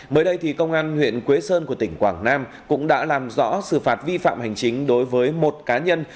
mới đây thì công an huyện quế sơn của tỉnh quảng nam cũng đã làm rõ xử phạt vi phạm hành chính đối với một cá nhân